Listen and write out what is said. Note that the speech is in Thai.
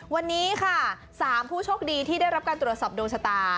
วันนี้ค่ะ๓ผู้โชคดีที่ได้รับการตรวจสอบดวงชะตา